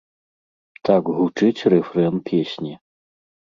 Так гучыць рэфрэн песні.